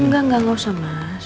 enggak gak usah mas